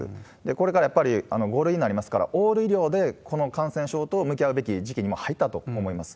これからやっぱり５類になりますから、オール医療でこの感染症と向き合うべき時期にもう入ったと思います。